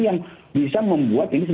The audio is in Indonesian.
yang bisa membuat